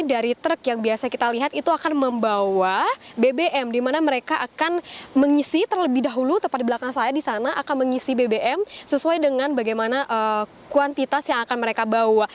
dari truk yang biasa kita lihat itu akan membawa bbm di mana mereka akan mengisi terlebih dahulu tepat di belakang saya di sana akan mengisi bbm sesuai dengan bagaimana kuantitas yang akan mereka bawa